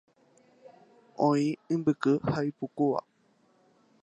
Oĩ imbyky ha ipukúva.